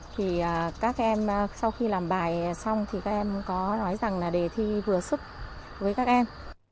thì các em sau khi làm bài xong thì các em có nói rằng là đề thi vừa sức với các em